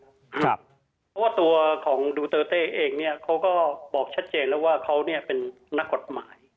เพราะว่าตัวดูเตอเขาก็บอกชัดเจนแล้วว่าเขาเป็นนักกฎหมาย